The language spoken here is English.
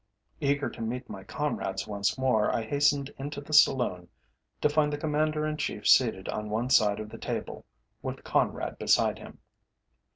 Eager to meet my comrades once more, I hastened into the saloon to find the Commander in Chief seated on one side of the table with Conrad beside him.